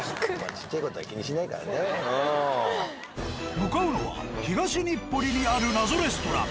向かうのは東日暮里にある謎レストラン。